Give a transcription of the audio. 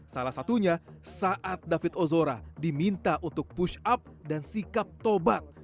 salah satunya saat david ozora diminta untuk push up dan sikap tobat